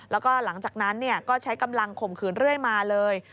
แล้วก็หลังจากนั้นก็ใช้กำลังข่มขืนเรื่อยมาเลย